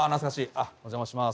あお邪魔します。